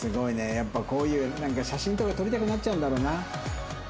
やっぱこういうなんか写真とか撮りたくなっちゃうんだろうな。